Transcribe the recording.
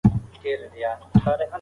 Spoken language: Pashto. آیا نن د پنجشنبې ورځ ده که بله ورځ؟